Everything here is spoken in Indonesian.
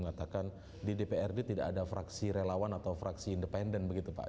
katakan di dprd tidak ada fraksi relawan atau fraksi independen begitu pak